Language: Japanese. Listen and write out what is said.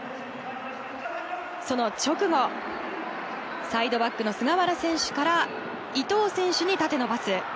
その直後サイドバックの菅原選手から伊東選手に縦のパス。